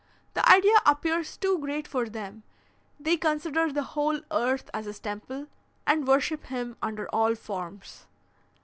The idea appears too great for them; they consider the whole earth as his temple, and worship him under all forms.